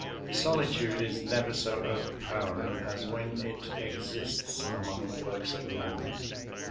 Solitude is never so overpowering as when it exists among the works of man.